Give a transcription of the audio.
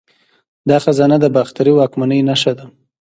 دا خزانه د باختري واکمنۍ نښه ده